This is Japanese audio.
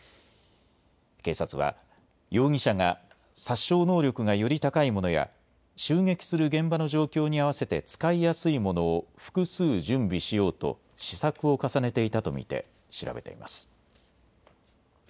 警察は、容疑者が殺傷能力がより高いものや襲撃する現場の状況に合わせて使いやすいものを複数、準備しようと試作を重ねていたと見て調べています。